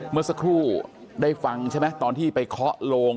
เมื่อสักครู่ได้ฟังใช่ไหมตอนที่ไปเคาะโลง